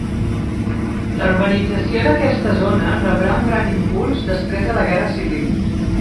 La urbanització d'aquesta zona rebrà un gran impuls després de la guerra civil.